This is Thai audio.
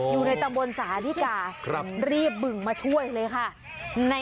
อยู่ในตำบลสาธิการีบบึงมาช่วยเลยค่ะ